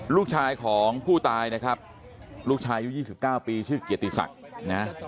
ลูกชายของผู้ตายนะครับลูกชายอายุ๒๙ปีชื่อเกียรติศักดิ์นะ